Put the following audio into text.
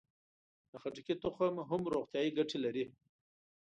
د خټکي تخم هم روغتیایي ګټه لري.